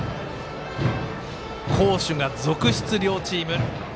好守が続出、両チーム。